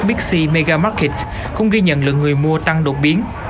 big c mega market cũng ghi nhận lượng người mua tăng đột bằng